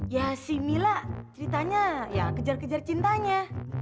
ya si mila ceritanya ya kejar kejar cintanya